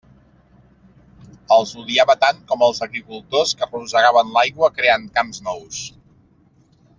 Els odiava tant com els agricultors que rosegaven l'aigua creant camps nous.